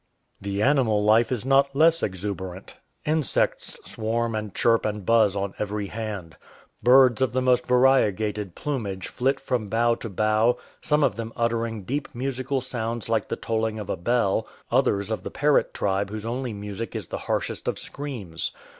The animal life is not less exuberant. Insects swarm and chirp and buzz on every hand. Birds of the most variegated plumage flit from bough to bough, some of them uttering deep musical sounds like the tolling of a bell, others of the parrot tribe whose only music is the harshest of screams.